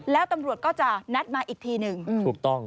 แล้วตำรวจก็จะนัดมาอีกทีหนึ่ง